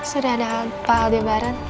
sudah ada pak aldebaren